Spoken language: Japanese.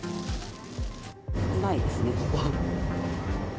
ないですね、ここ。